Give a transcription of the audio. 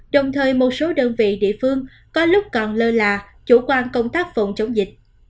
đồng thời một số đơn vị địa phương có lúc còn lơ là chủ quan công tác phòng chống dịch